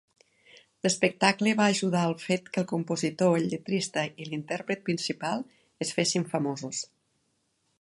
L'espectacle va ajudar al fet que el compositor, el lletrista i l'intèrpret principal es fessin famosos.